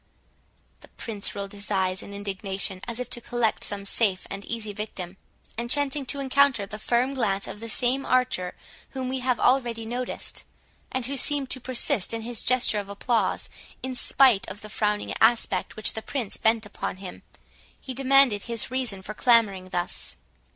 The Prince rolled his eyes in indignation, as if to collect some safe and easy victim; and chancing to encounter the firm glance of the same archer whom we have already noticed, and who seemed to persist in his gesture of applause, in spite of the frowning aspect which the Prince bent upon him, he demanded his reason for clamouring thus.